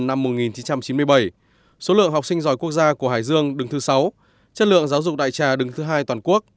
năm một nghìn chín trăm chín mươi bảy số lượng học sinh giỏi quốc gia của hải dương đứng thứ sáu chất lượng giáo dục đại trà đứng thứ hai toàn quốc